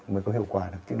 mới có hiệu quả được